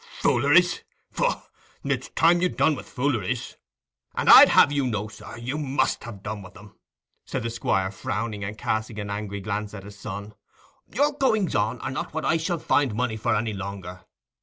"Fooleries! Pshaw! it's time you'd done with fooleries. And I'd have you know, sir, you must ha' done with 'em," said the Squire, frowning and casting an angry glance at his son. "Your goings on are not what I shall find money for any longer.